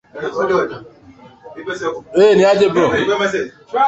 taji la mwaka huu lakini bahati yaikusimama